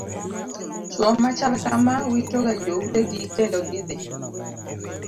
Chuo machal kamaa wito ga joutegi kendo gidhi